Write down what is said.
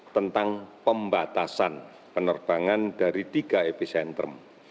tentang pembatasan penerbangan dari tiga epicentrum